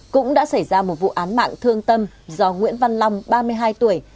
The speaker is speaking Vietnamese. cũng đã xảy ra một vụ án mạng thương tâm do nguyễn văn long ba mươi hai tuổi